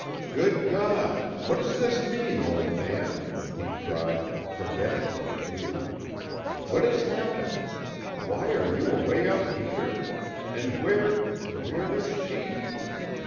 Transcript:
"Good God! what does this mean, old man?" he cried, forgetting Pelliter. "What has happened? Why are you away up here? And where where is she?"